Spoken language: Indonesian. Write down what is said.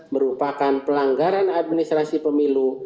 merupakan pelanggaran administrasi pemilu